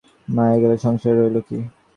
মায়া গেলে সংসারে রইল কী?